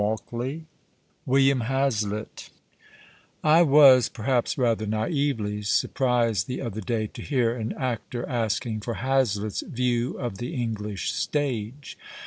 1 IH) W ILLIAM HAZLITT I WAS, perhaps rather naively, surprised the other day to hear an actor asking for Ilazlitt's " View of the English Stage."